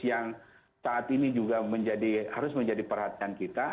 yang saat ini juga harus menjadi perhatian kita